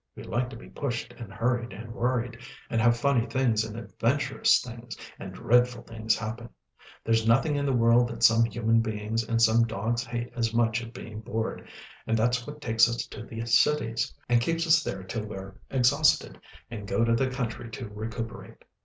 We like to be pushed, and hurried, and worried; and have funny things and adventurous things, and dreadful things happen. There's nothing in the world that some human beings and some dogs hate as much as being bored, and that's what takes us to the cities, and keeps us there till we're exhausted, and go to the country to recuperate.